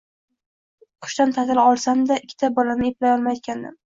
O`qishdan ta`til olsam-da ikkita bolani eplay olmayotgandim